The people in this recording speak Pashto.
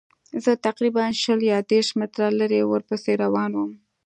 زه تقریباً شل یا دېرش متره لرې ورپسې روان وم.